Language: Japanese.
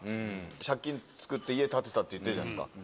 借金つくって家建てたって言ってるじゃないっすか。